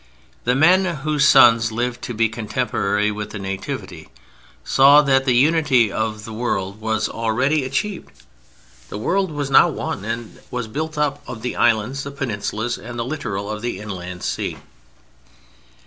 The men whose sons lived to be contemporary with the Nativity saw that the unity of that world was already achieved. The World was now one, and was built up of the islands, the peninsulas, and the littoral of the Inland Sea.